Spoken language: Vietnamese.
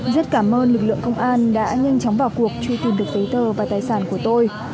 rất cảm ơn lực lượng công an đã nhanh chóng vào cuộc truy tìm được giấy tờ và tài sản của tôi